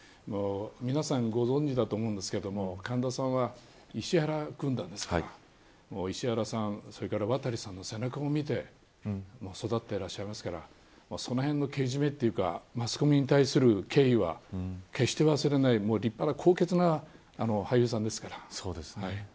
皆さんご存じだと思いますが神田さんは石原軍団ですから石原さん、渡さんの背中を見て育っていらっしゃいますからそのへんのけじめというかマスコミに対する敬意は決して忘れない立派な高潔な俳優さんですから。